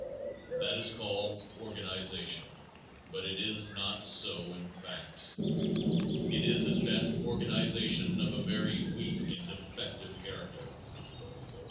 That is called organization, but it is not so in fact. It is at best organization of a very weak and defective character.